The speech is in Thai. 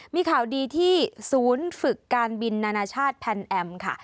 มีข่าวดีที่ศูนย์ฝึกการบินนานาชาติแพนแอมค่ะ